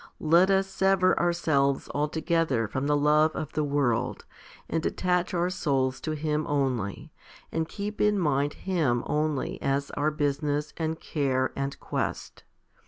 5 Let us sever ourselves altogether from the love of the world, and attach our souls to Him only, and keep in mind Him only as our business and care and quest.